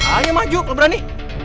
ayo maju kalau berani